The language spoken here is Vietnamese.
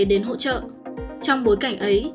đến hỗ trợ trong bối cảnh ấy